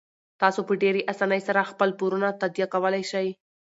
تاسو په ډیرې اسانۍ سره خپل پورونه تادیه کولی شئ.